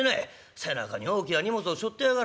背中に大きな荷物をしょってやがら